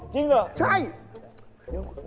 จริงเหรอเยี่ย